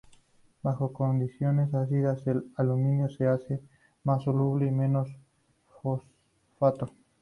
Bajo condiciones ácidas, el aluminio se hace más soluble y menos los fosfato.